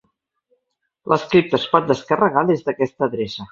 L'script es pot descarregar des d'aquesta adreça.